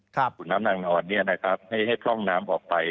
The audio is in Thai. ขุนน้ำนางนอนให้พร่องน้ำออกไป